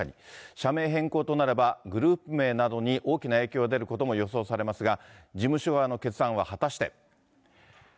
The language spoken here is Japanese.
社名変更となればグループ名などに大きな影響が出ることも予想されますが、事務所側の決断は果たして。